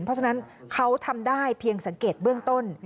เพราะฉะนั้นเขาทำได้เพียงสังเกตเบื้องต้น